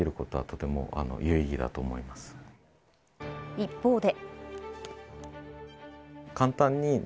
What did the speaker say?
一方で。